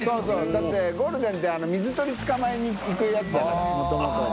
ゴールデンって水鳥捕まえにいくやつだからもともとは。